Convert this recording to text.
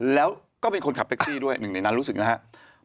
แล้วก็เป็นคนขับแท็กซี่ด้วยหนึ่งในนั้นรู้สึกนะครับ